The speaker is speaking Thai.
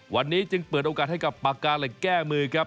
วันนี้จึงเปิดโอกาสให้กับปากกาเหล็กแก้มือครับ